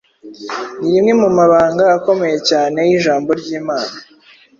ni rimwe mu mabanga akomeye cyane y’ijambo ry’Imana.